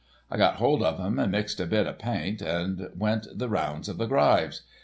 I got hold of 'em and mixed a bit o' paint and went the rounds of the gryves.